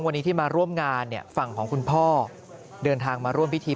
วันนี้ที่มาร่วมงานเนี่ยฝั่งของคุณพ่อเดินทางมาร่วมพิธี